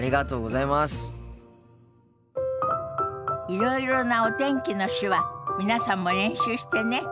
いろいろなお天気の手話皆さんも練習してね。